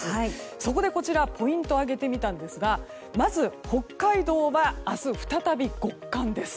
そこでポイントを挙げてみたんですがまず、北海道は明日再び極寒です。